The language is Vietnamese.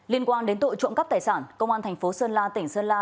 liên quan đến tội trộm cắp tài sản công an thành phố sơn la tỉnh sơn la